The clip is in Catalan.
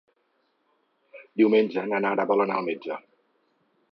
Diumenge na Nara vol anar al metge.